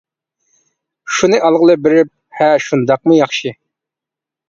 شۇنى ئالغىلى بېرىپ. ھە. شۇنداقمۇ؟ ياخشى.